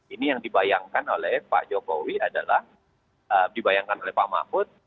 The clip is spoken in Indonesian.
ini yang dibayangkan oleh pak jokowi adalah dibayangkan oleh pak mahfud